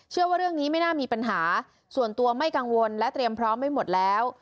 เชื่อว่าเรื่องนี้ไม่น่ามีปัญหาส่วนตัวไม่กังวลและเตรียมพร้อมไว้หมดแล้ว